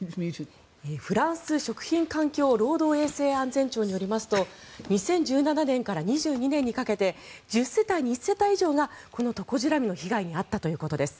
フランス食品環境労働衛生安全庁によりますと２０１７年から２２年にかけて１０世帯に１世帯以上がこのトコジラミの被害に遭ったということです。